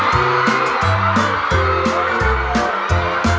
สวัสดีครับว่ามาริเวิร์ด